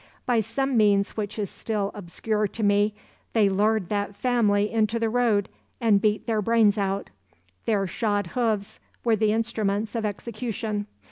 By some means which is still obscure to me they lured that family into the road and beat their brains out; their shod hoofs were the instruments of execution.